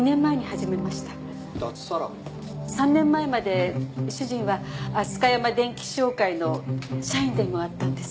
３年前まで主人はアスカヤマ電器商会の社員でもあったんです。